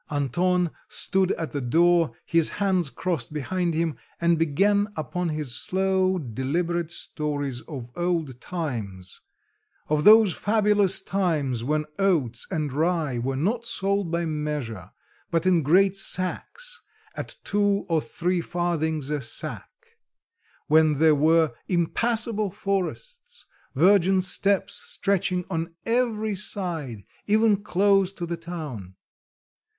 Anton stood at the door, his hands crossed behind him, and began upon his slow, deliberate stories of old times, of those fabulous times when oats and rye were not sold by measure, but in great sacks, at two or three farthings a sack; when there were impassable forests, virgin steppes stretching on every side, even close to the town.